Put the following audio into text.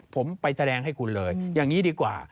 ผมไปแสดงให้คุณเลยอย่างนี้ดีกว่า